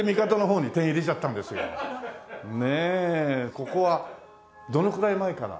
ここはどのくらい前から？